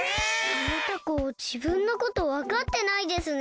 あのタコじぶんのことわかってないですね。